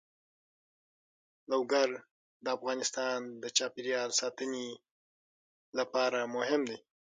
لوگر د افغانستان د چاپیریال ساتنې لپاره مهم دي.